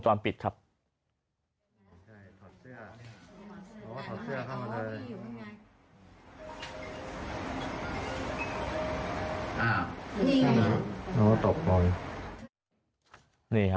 ตอบเสื้อเข้ามาที